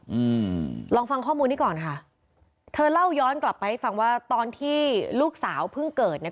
อืมลองฟังข้อมูลนี้ก่อนค่ะเธอเล่าย้อนกลับไปให้ฟังว่าตอนที่ลูกสาวเพิ่งเกิดเนี้ย